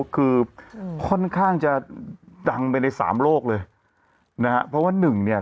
คือค่อนข้างจะดังไปในสามโลกเลยนะฮะเพราะว่าหนึ่งเนี่ย